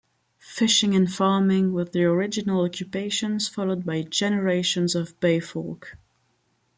Fishing and farming were the original occupations followed by generations of Bay folk.